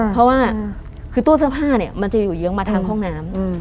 เพราะว่าคือตู้เสื้อผ้าเนี่ยมันจะอยู่เยื้องมาทางห้องน้ำ